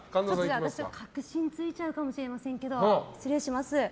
私、核心をついちゃうかもしれないですけど失礼します。